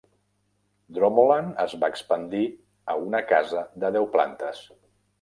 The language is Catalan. Dromoland es va expandir a una casa de deu plantes.